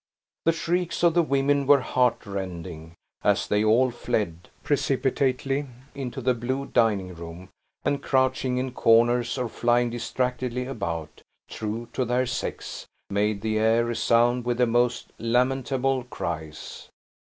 The shrieks of the women were heart rending, as they all fled, precipitately, into the blue dining room; and, crouching in corners, or flying distractedly about true to their sex made the air resound with the most lamentable cries.